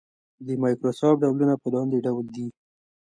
د مایکروسکوپ ډولونه په لاندې ډول دي.